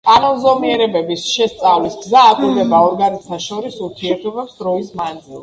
კანონზომიერებების შესწავლის გზა აკვირდება ორგანიზმთა შორის ურთიერთობებს დროის მანძილზე.